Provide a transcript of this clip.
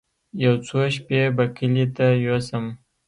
يو څو شپې به کلي ته يوسم.